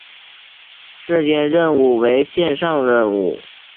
事件任务为线上任务。